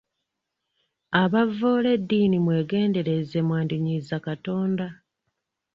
Abavvoola eddiini mwegendereze mwandinyiiza Katonda.